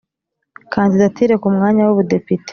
Kandidatire ku mwanya w ubudepite